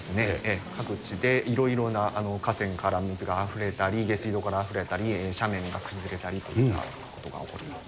各地でいろいろな河川から水があふれたり、下水道からあふれたり、斜面が崩れたりというようなことが起こります。